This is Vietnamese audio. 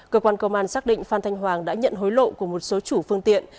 cơ quan công an xác định phan thanh hoàng đã nhận hối lộ của một số chủ phương tiện